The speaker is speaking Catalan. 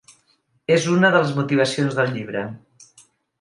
És una de les motivacions del llibre.